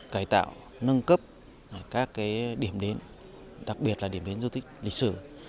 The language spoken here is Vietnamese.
cải tạo nâng cấp các điểm đến đặc biệt là điểm đến du tích lịch sử